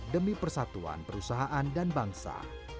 demi persatuan perusahaan dan bangsa